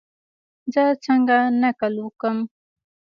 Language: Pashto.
زه څنګه نقل وکم؟